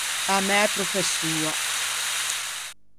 A mæ professoa.